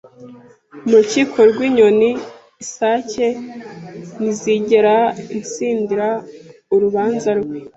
Mu rukiko rw’inyoni, isake ntizigera itsindira urubanza rwe.